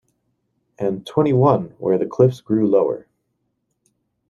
And “twenty-one” where the cliffs grew lower.